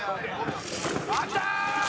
あっきたー！